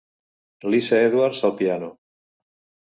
Lisa Edwards al piano.